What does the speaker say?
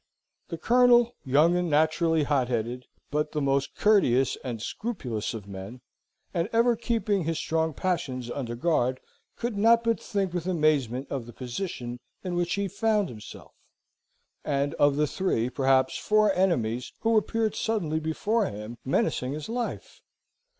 The Colonel, young and naturally hot headed, but the most courteous and scrupulous of men, and ever keeping his strong passions under guard, could not but think with amazement of the position in which he found, himself, and of the three, perhaps four enemies, who appeared suddenly before him, menacing his life.